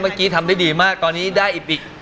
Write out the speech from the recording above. เมื่อกี้ทำได้ดีมากตอนนี้ได้อีก